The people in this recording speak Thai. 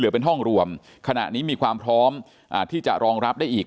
เป็นห้องรวมขณะนี้มีความพร้อมที่จะรองรับได้อีก